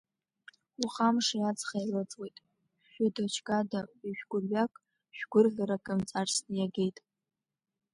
Уаха амши аҵхи еилыҵуеит шәыда-чгада, уи шә-гәырҩак, шә-гәырӷьарак мҵарсны иагеит.